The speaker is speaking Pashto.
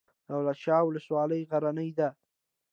دولت شاه ولسوالۍ غرنۍ ده؟